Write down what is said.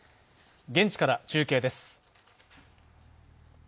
現地から中継です。